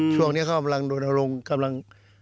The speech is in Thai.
ช่วงนี้ก็เรากำลังโดนอารมณ์กำลัง